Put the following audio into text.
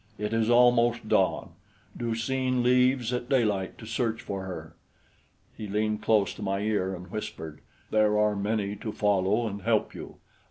It is almost dawn. Du seen leaves at daylight to search for her." He leaned close to my ear and whispered: "There are many to follow and help you.